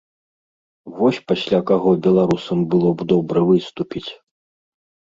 Вось пасля каго беларусам было б добра выступіць.